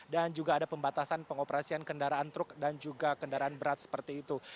dan juga ada pembatasan pengoperasian kendaraan truk dan juga kendaraan berat seperti itu